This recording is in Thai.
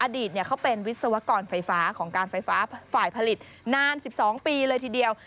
อดีตเขาเป็นวิศวกรไฟฟ้าของการไฟฟ้าฝ่ายผลิตนาน๑๒ปีเลยทีเดียว